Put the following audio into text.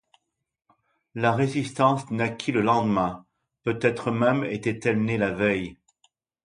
La résistance naquit le lendemain; peut-être même était-elle née la veille.